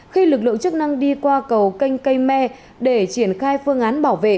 khi lực lượng chức năng đi qua cầu canh cây me để triển khai phương án bảo vệ